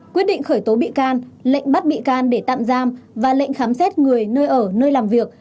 quyết định khởi tố bị can lệnh bắt bị can để tạm giam và lệnh khám xét người nơi ở nơi làm việc